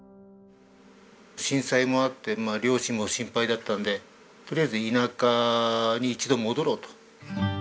震災もあって両親も心配だったのでとりあえず田舎に一度戻ろうと。